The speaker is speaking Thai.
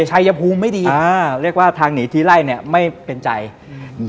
ชัยภูมิไม่ดีอ่าเรียกว่าทางหนีทีไล่เนี้ยไม่เป็นใจอืม